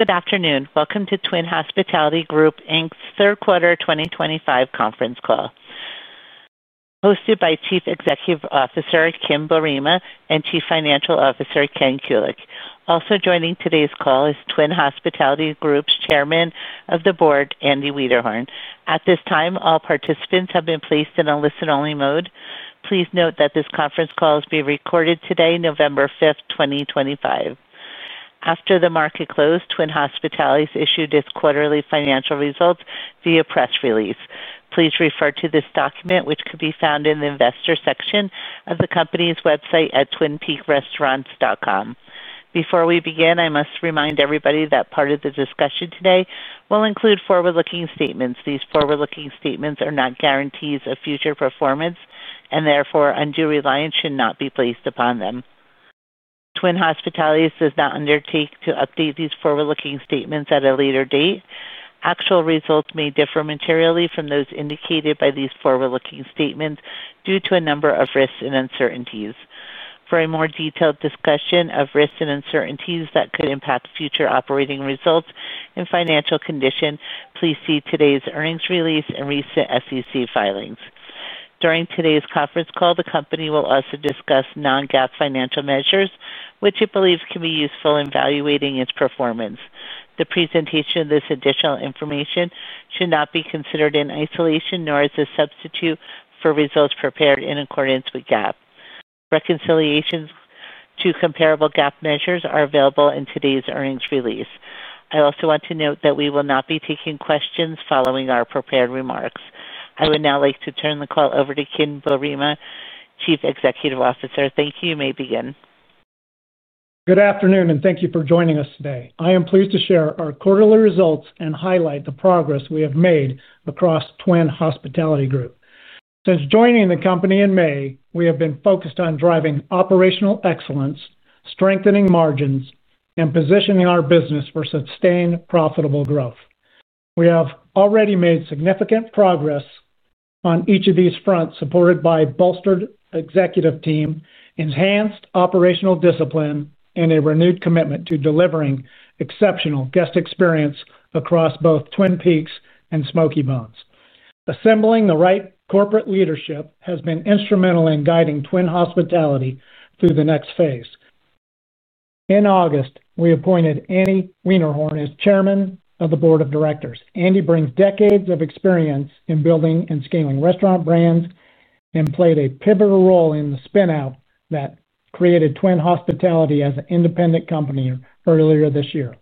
Good afternoon. Welcome to Twin Hospitality Group's third quarter 2025 conference call. Hosted by Chief Executive Officer Kim Boerema and Chief Financial Officer Ken Kuick. Also joining today's call is Twin Hospitality Group's Chairman of the Board, Andy Wiederhorn. At this time, all participants have been placed in a listen-only mode. Please note that this conference call is being recorded today, November 5th, 2025. After the market close, Twin Hospitality issued this quarterly financial results via press release. Please refer to this document, which could be found in the investor section of the company's website at twinpeakrestaurants.com. Before we begin, I must remind everybody that part of the discussion today will include forward-looking statements. These forward-looking statements are not guarantees of future performance, and therefore undue reliance should not be placed upon them. Twin Hospitality does not undertake to update these forward-looking statements at a later date. Actual results may differ materially from those indicated by these forward-looking statements due to a number of risks and uncertainties. For a more detailed discussion of risks and uncertainties that could impact future operating results and financial condition, please see today's earnings release and recent SEC filings. During today's conference call, the company will also discuss non-GAAP financial measures, which it believes can be useful in evaluating its performance. The presentation of this additional information should not be considered in isolation, nor as a substitute for results prepared in accordance with GAAP. Reconciliations to comparable GAAP measures are available in today's earnings release. I also want to note that we will not be taking questions following our prepared remarks. I would now like to turn the call over to Kim Boerema, Chief Executive Officer. Thank you. You may begin. Good afternoon, and thank you for joining us today. I am pleased to share our quarterly results and highlight the progress we have made across Twin Hospitality Group. Since joining the company in May, we have been focused on driving operational excellence, strengthening margins, and positioning our business for sustained, profitable growth. We have already made significant progress on each of these fronts, supported by a bolstered executive team, enhanced operational discipline, and a renewed commitment to delivering exceptional guest experience across both Twin Peaks and Smokey Bones. Assembling the right corporate leadership has been instrumental in guiding Twin Hospitality through the next phase. In August, we appointed Andy Wiederhorn as Chairman of the Board of Directors. Andy brings decades of experience in building and scaling restaurant brands and played a pivotal role in the spin-out that created Twin Hospitality as an independent company earlier this year.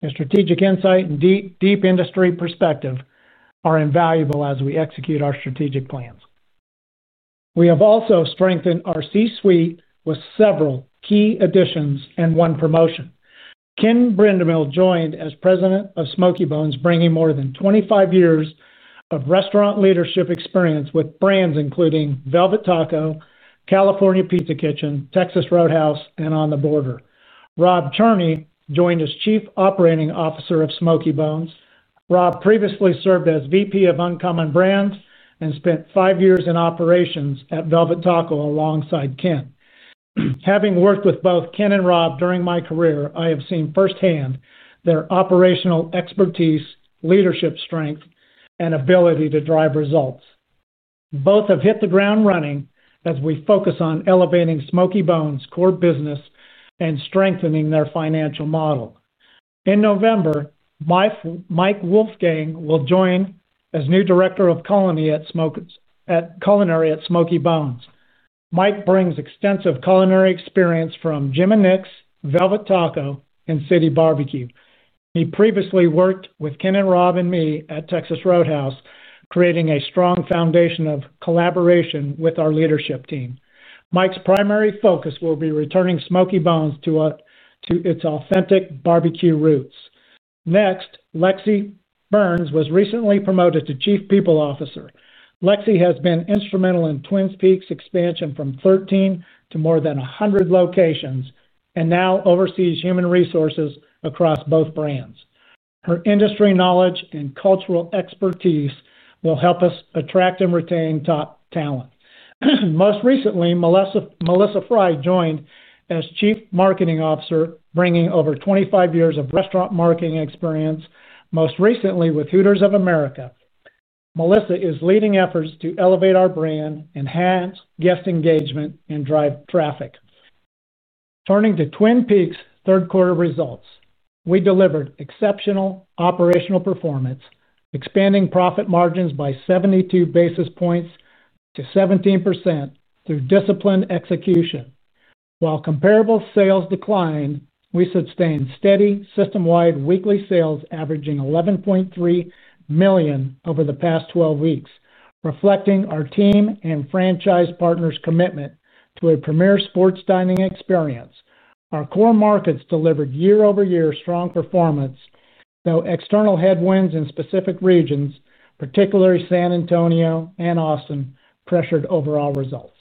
His strategic insight and deep industry perspective are invaluable as we execute our strategic plans. We have also strengthened our C-suite with several key additions and one promotion. Ken Brendemihl joined as President of Smokey Bones, bringing more than 25 years of restaurant leadership experience with brands including Velvet Taco, California Pizza Kitchen, Texas Roadhouse, and On the Border. Rob Cherney joined as Chief Operating Officer of Smokey Bones. Rob previously served as VP of Uncommon Brands and spent five years in operations at Velvet Taco alongside Ken. Having worked with both Ken and Rob during my career, I have seen firsthand their operational expertise, leadership strength, and ability to drive results. Both have hit the ground running as we focus on elevating Smokey Bones' core business and strengthening their financial model. In November, Mike Wolfgang will join as new Director of Culinary at Smokey Bones. Mike brings extensive culinary experience from Jim & Nick's, Velvet Taco, and City BBQ. He previously worked with Ken and Rob and me at Texas Roadhouse, creating a strong foundation of collaboration with our leadership team. Mike's primary focus will be returning Smokey Bones to its authentic BBQ roots. Next, Lexi Burns was recently promoted to Chief People Officer. Lexi has been instrumental in Twin Peaks' expansion from 13 to more than 100 locations and now oversees human resources across both brands. Her industry knowledge and cultural expertise will help us attract and retain top talent. Most recently, Melissa Frey joined as Chief Marketing Officer, bringing over 25 years of restaurant marketing experience, most recently with Hooters of America. Melissa is leading efforts to elevate our brand, enhance guest engagement, and drive traffic. Turning to Twin Peaks' third quarter results, we delivered exceptional operational performance, expanding profit margins by 72 basis points to 17% through disciplined execution. While comparable sales declined, we sustained steady system-wide weekly sales averaging $11.3 million over the past 12 weeks, reflecting our team and franchise partners' commitment to a premier sports dining experience. Our core markets delivered year-over-year strong performance, though external headwinds in specific regions, particularly San Antonio and Austin, pressured overall results.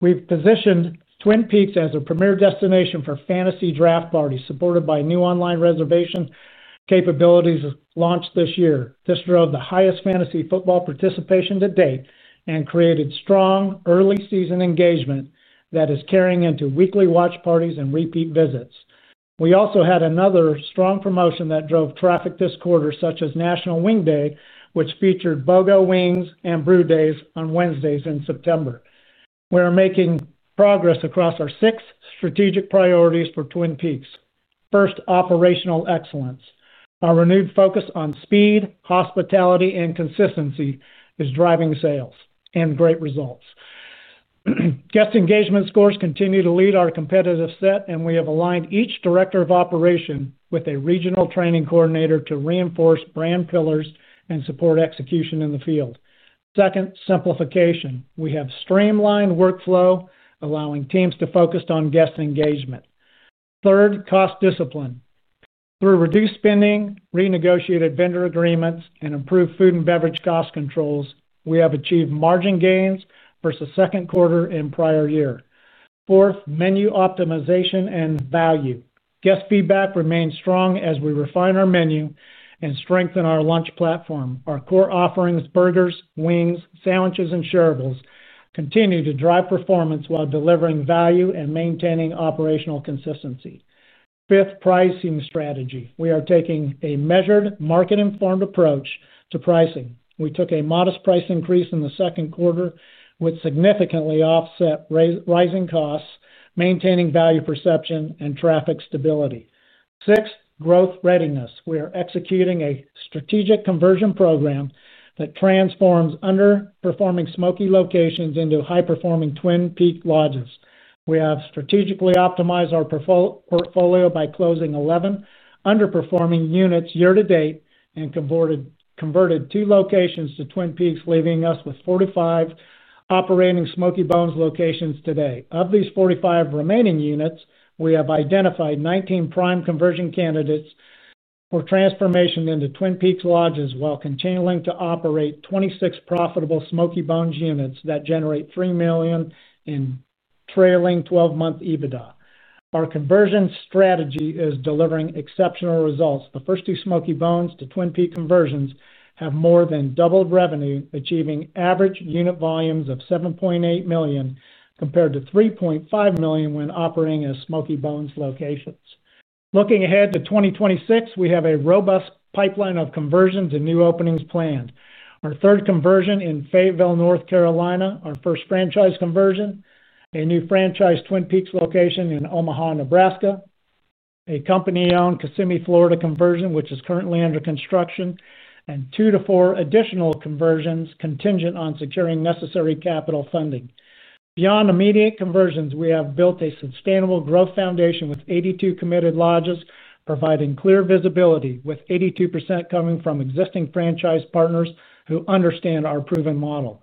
We've positioned Twin Peaks as a premier destination for fantasy draft parties, supported by new online reservation capabilities launched this year. This drove the highest fantasy football participation to date and created strong early season engagement that is carrying into weekly watch parties and repeat visits. We also had another strong promotion that drove traffic this quarter, such as National Wing Day, which featured Bogo Wings and Brew Days on Wednesdays in September. We are making progress across our six strategic priorities for Twin Peaks. First, operational excellence. Our renewed focus on speed, hospitality, and consistency is driving sales and great results. Guest engagement scores continue to lead our competitive set, and we have aligned each Director of Operations with a regional training coordinator to reinforce brand pillars and support execution in the field. Second, simplification. We have streamlined workflow, allowing teams to focus on guest engagement. Third, cost discipline. Through reduced spending, renegotiated vendor agreements, and improved food and beverage cost controls, we have achieved margin gains versus second quarter and prior year. Fourth, menu optimization and value. Guest feedback remains strong as we refine our menu and strengthen our lunch platform. Our core offerings, burgers, wings, sandwiches, and shareables continue to drive performance while delivering value and maintaining operational consistency. Fifth, pricing strategy. We are taking a measured, market-informed approach to pricing. We took a modest price increase in the second quarter, which significantly offset rising costs, maintaining value perception and traffic stability. Sixth, growth readiness. We are executing a strategic conversion program that transforms Smokey Bones locations into high-performing Twin Peaks lodges. We have strategically optimized our portfolio by closing 11 underperforming units year-to-date and converted two locations to Twin Peaks, leaving us with 45 operating Smokey Bones locations today. Of these 45 remaining units, we have identified 19 prime conversion candidates for transformation into Twin Peaks lodges while continuing to operate 26 profitable Smokey Bones units that generate $3 million in trailing 12-month EBITDA. Our conversion strategy is delivering exceptional results. The first two Smokey Bones to Twin Peaks conversions have more than doubled revenue, achieving average unit volumes of $7.8 million compared to $3.5 million when operating as Smokey Bones locations. Looking ahead to 2026, we have a robust pipeline of conversions and new openings planned. Our third conversion in Fayetteville, North Carolina, our first franchise conversion, a new franchise Twin Peaks location in Omaha, Nebraska, a company-owned Kissimmee, Florida conversion, which is currently under construction, and two to four additional conversions contingent on securing necessary capital funding. Beyond immediate conversions, we have built a sustainable growth foundation with 82 committed lodges, providing clear visibility, with 82% coming from existing franchise partners who understand our proven model.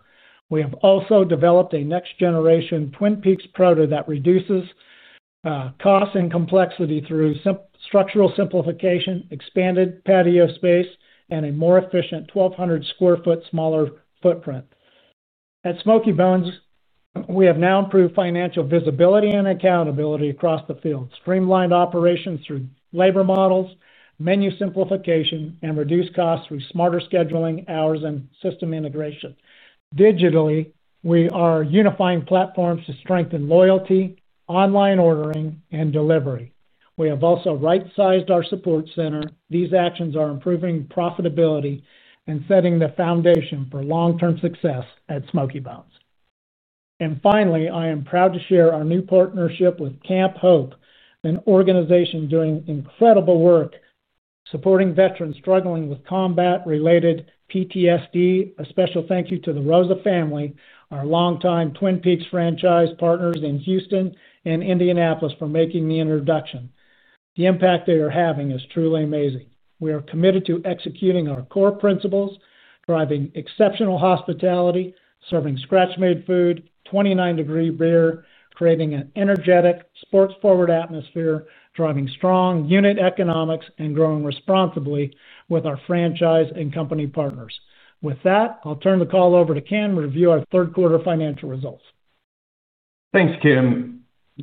We have also developed a next-generation Twin Peaks proto that reduces cost and complexity through structural simplification, expanded patio space, and a more efficient 1,200 sq ft smaller footprint. At Smokey Bones, we have now improved financial visibility and accountability across the field, streamlined operations through labor models, menu simplification, and reduced costs through smarter scheduling hours and system integration. Digitally, we are unifying platforms to strengthen loyalty, online ordering, and delivery. We have also right-sized our support center. These actions are improving profitability and setting the foundation for long-term success at Smokey Bones. I am proud to share our new partnership with Camp Hope, an organization doing incredible work. Supporting veterans struggling with combat-related PTSD. A special thank you to the Rosa family, our longtime Twin Peaks franchise partners in Houston and Indianapolis, for making the introduction. The impact they are having is truly amazing. We are committed to executing our core principles, driving exceptional hospitality, serving scratch-made food, 29-degree draft beer, creating an energetic, sports-forward atmosphere, driving strong unit economics, and growing responsibly with our franchise and company partners. With that, I'll turn the call over to Ken to review our third quarter financial results. Thanks, Kim.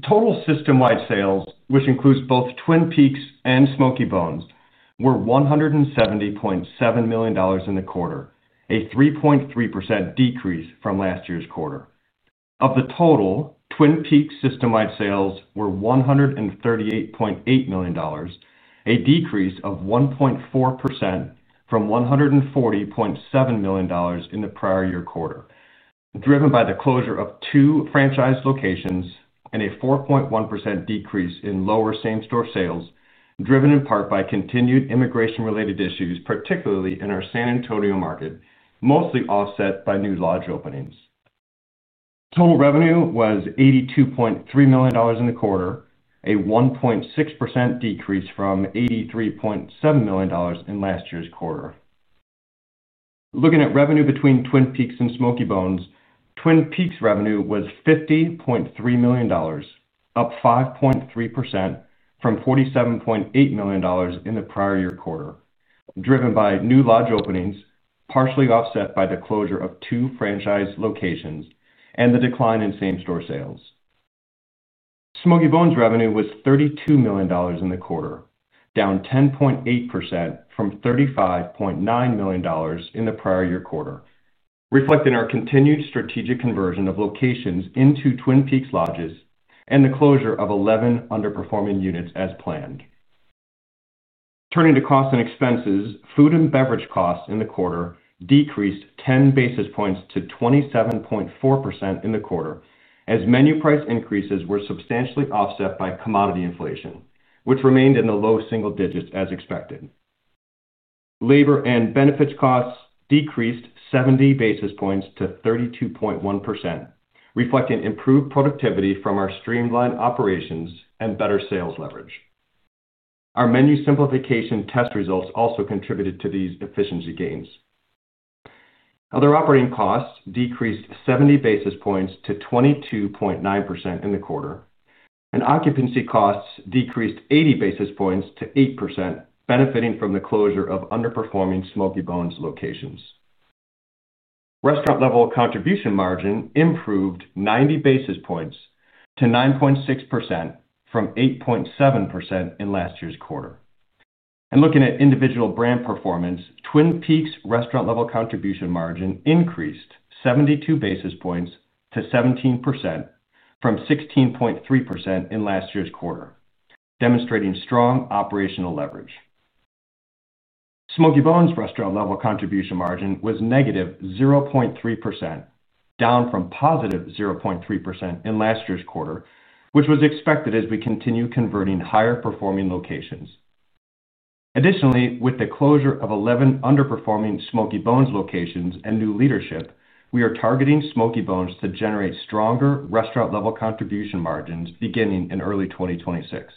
Total system-wide sales, which includes both Twin Peaks and Smokey Bones, were $170.7 million in the quarter, a 3.3% decrease from last year's quarter. Of the total, Twin Peaks system-wide sales were $138.8 million, a decrease of 1.4% from $140.7 million in the prior year quarter, driven by the closure of two franchise locations and a 4.1% decrease in lower same-store sales, driven in part by continued immigration-related issues, particularly in our San Antonio market, mostly offset by new lodge openings. Total revenue was $82.3 million in the quarter, a 1.6% decrease from $83.7 million in last year's quarter. Looking at revenue between Twin Peaks and Smokey Bones, Twin Peaks revenue was $50.3 million, up 5.3% from $47.8 million in the prior year quarter, driven by new lodge openings, partially offset by the closure of two franchise locations, and the decline in same-store sales. Smokey Bones revenue was $32 million in the quarter, down 10.8% from $35.9 million in the prior year quarter, reflecting our continued strategic conversion of locations into Twin Peaks lodges and the closure of 11 underperforming units as planned. Turning to costs and expenses, food and beverage costs in the quarter decreased 10 basis points to 27.4% in the quarter, as menu price increases were substantially offset by commodity inflation, which remained in the low single digits as expected. Labor and benefits costs decreased 70 basis points to 32.1%, reflecting improved productivity from our streamlined operations and better sales leverage. Our menu simplification test results also contributed to these efficiency gains. Other operating costs decreased 70 basis points to 22.9% in the quarter, and occupancy costs decreased 80 basis points to 8%, benefiting from the closure of underperforming Smokey Bones locations. Restaurant-level contribution margin improved 90 basis points to 9.6% from 8.7% in last year's quarter. Looking at individual brand performance, Twin Peaks restaurant-level contribution margin increased 72 basis points to 17% from 16.3% in last year's quarter, demonstrating strong operational leverage. Smokey Bones restaurant-level contribution margin was negative 0.3%, down from positive 0.3% in last year's quarter, which was expected as we continue converting higher-performing locations. Additionally, with the closure of 11 underperforming Smokey Bones locations and new leadership, we are targeting Smokey Bones to generate stronger restaurant-level contribution margins beginning in early 2026.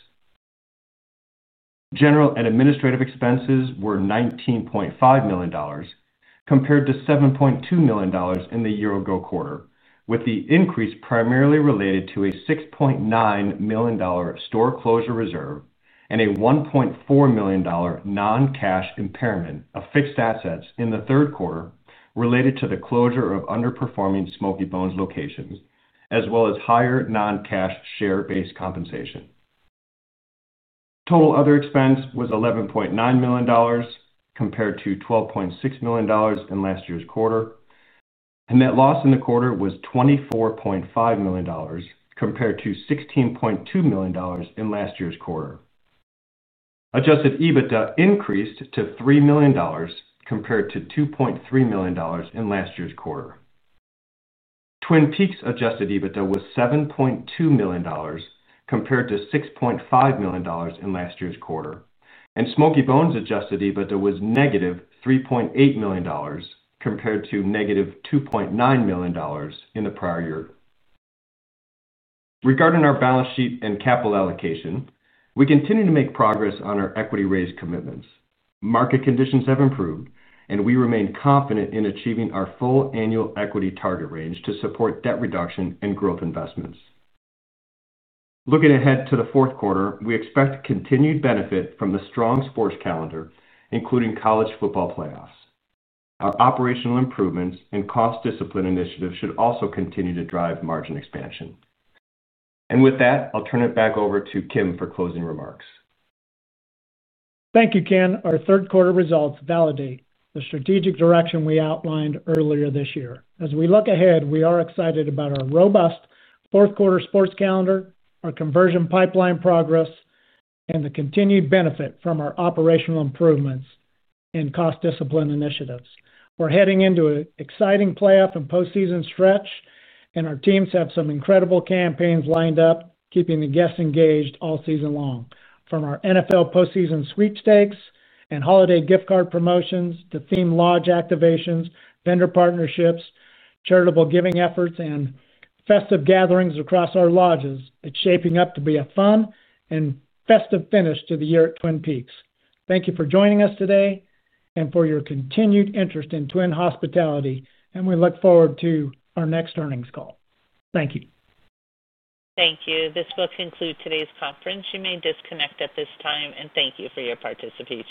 General and administrative expenses were $19.5 million, compared to $7.2 million in the year-ago quarter, with the increase primarily related to a $6.9 million store closure reserve and a $1.4 million non-cash impairment of fixed assets in the third quarter related to the closure of underperforming Smokey Bones locations, as well as higher non-cash share-based compensation. Total other expense was $11.9 million, compared to $12.6 million in last year's quarter. Net loss in the quarter was $24.5 million, compared to $16.2 million in last year's quarter. Adjusted EBITDA increased to $3 million, compared to $2.3 million in last year's quarter. Twin Peaks' Adjusted EBITDA was $7.2 million, compared to $6.5 million in last year's quarter. Smokey Bones' Adjusted EBITDA was -$3.8 million, compared to -$2.9 million in the prior year. Regarding our balance sheet and capital allocation, we continue to make progress on our equity-raised commitments. Market conditions have improved, and we remain confident in achieving our full annual equity target range to support debt reduction and growth investments. Looking ahead to the fourth quarter, we expect continued benefit from the strong sports calendar, including college football playoffs. Our operational improvements and cost discipline initiatives should also continue to drive margin expansion. With that, I'll turn it back over to Kim for closing remarks. Thank you, Ken. Our third quarter results validate the strategic direction we outlined earlier this year. As we look ahead, we are excited about our robust fourth quarter sports calendar, our conversion pipeline progress, and the continued benefit from our operational improvements and cost discipline initiatives. We are heading into an exciting playoff and postseason stretch, and our teams have some incredible campaigns lined up, keeping the guests engaged all season long. From our NFL postseason sweepstakes and holiday gift card promotions to theme lodge activations, vendor partnerships, charitable giving efforts, and festive gatherings across our lodges, it is shaping up to be a fun and festive finish to the year at Twin Peaks. Thank you for joining us today and for your continued interest in Twin Hospitality, and we look forward to our next earnings call. Thank you. Thank you. This will conclude today's conference. You may disconnect at this time, and thank you for your participation.